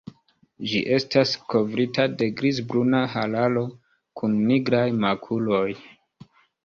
Ĝi estas kovrita de grizbruna hararo kun nigraj makuloj.